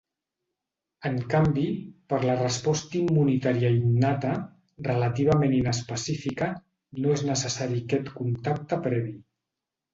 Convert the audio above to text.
En canvi, per la resposta immunitària innata, relativament inespecífica, no és necessari aquest contacte previ.